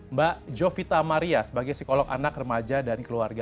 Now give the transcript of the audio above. mbak jovita maria sebagai psikolog anak remaja dan keluarga